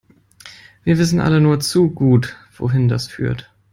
Wir wissen alle nur zu gut, wohin das führt.